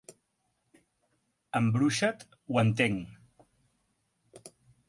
Embruixat, ho entenc.